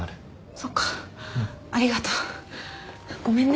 そっかありがとう。ごめんね。